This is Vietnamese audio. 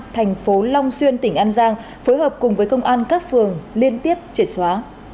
thành phố long xuyên tỉnh an giang phối hợp cùng với công an các phường liên tiếp triệt xóa